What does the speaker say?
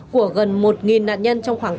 của gần một nạn nhân trong khoảng ba năm